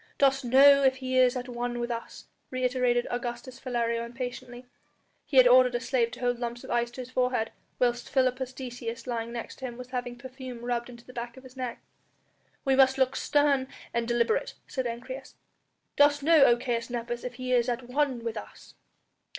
"Dost know if he is at one with us?" reiterated Augustus Philario impatiently. He had ordered a slave to hold lumps of ice to his forehead, whilst Philippus Decius lying next to him was having perfume rubbed into the back of his neck. "We must look stern and deliberate," said Ancyrus. "Dost know, O Caius Nepos, if he is at one with us?"